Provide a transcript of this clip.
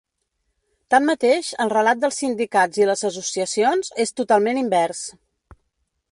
Tanmateix, el relat dels sindicats i les associacions és totalment invers.